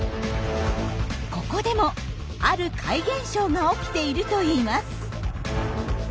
ここでもある怪現象が起きているといいます。